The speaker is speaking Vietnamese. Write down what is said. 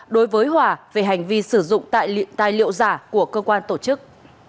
đối với hòa về hành vi sử dụng tại liện tài liệu giả của cơ quan tổ chức